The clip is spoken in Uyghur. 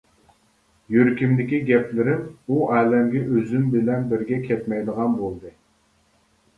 يۈرىكىمدىكى گەپلىرىم ئۇ ئالەمگە ئۆزۈم بىلەن بىرگە كەتمەيدىغان بولدى.